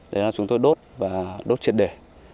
để chúng tôi đốt và đốt triệt đề